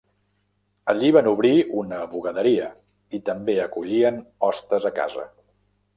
Allí van obrir una bugaderia i també acollien hostes a casa.